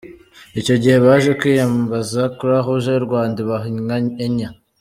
Icyo gihe baje kwiyambaza Croix-Rouge y’u Rwanda ibaha inka enye.